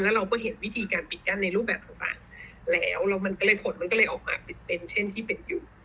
ไม่เห็นวิธีการปิดกั้นในรูปแบบต่างแล้วเราก็เลยออกมาติดเป็นเช่นที่เป็นอยู่